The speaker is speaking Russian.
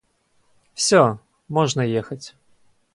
Всё, можно ехать!